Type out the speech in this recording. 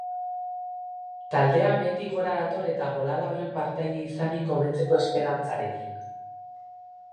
Taldea behetik gora dator eta bolada horren partaide izanik hobetzeko esperantzarekin.